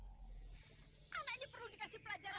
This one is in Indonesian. anak ini perlu dikasih pelajaran